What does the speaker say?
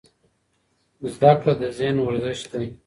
زده کړه د ذهن ورزش دی.